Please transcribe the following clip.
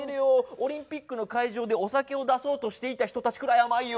オリンピックの会場でお酒を出そうとしていた人たちくらいあまいよ。